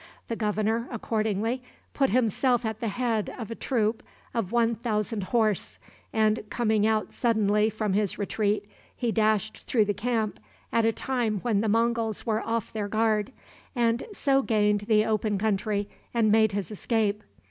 The governor, accordingly, put himself at the head of a troop of one thousand horse, and, coming out suddenly from his retreat, he dashed through the camp at a time when the Monguls were off their guard, and so gained the open country and made his escape.